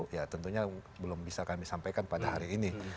ya tentunya belum bisa kami sampaikan pada hari ini